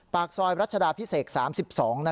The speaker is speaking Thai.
ปากซอยรัชดาพิเศษ๓๒